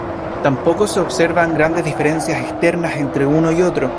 Tampoco se observan grandes diferencias externas entre uno y otro.